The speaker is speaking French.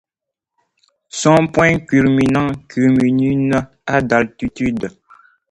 Son point culminant culmine à d'altitude.